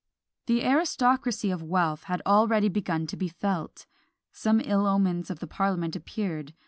The aristocracy of wealth had already begun to be felt. Some ill omens of the parliament appeared.